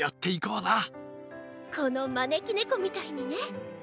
このまねきねこみたいにね。